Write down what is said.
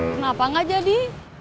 kenapa gak jadi